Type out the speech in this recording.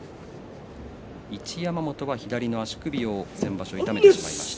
一山本は左の足首を先場所痛めてしまいました。